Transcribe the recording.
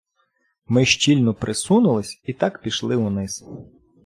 Ми щільно присунулись і так пішли униз.